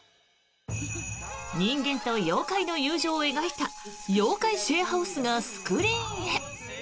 人間と妖怪の友情を描いた「妖怪シェアハウス」がスクリーンへ。